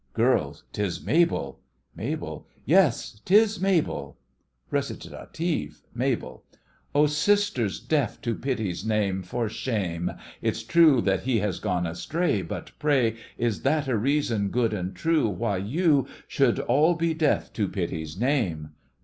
GIRLS: 'Tis Mabel! MABEL: Yes, 'tis Mabel! RECIT—MABEL Oh, sisters, deaf to pity's name, For shame! It's true that he has gone astray, But pray Is that a reason good and true Why you Should all be deaf to pity's name?